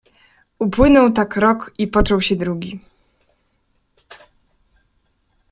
"Upłynął tak rok i począł się drugi."